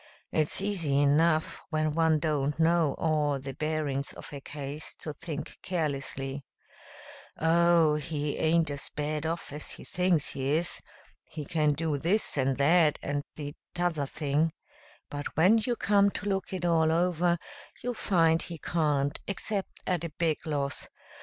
It's easy enough when one don't know all the bearin's of a case, to think carelessly, 'Oh, he aint as bad off as he thinks he is. He can do this and that and the t'other thing.' But when you come to look it all over, you find he can't, except at a big loss.